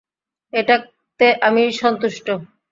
এটাতে আমি সন্তুষ্ট।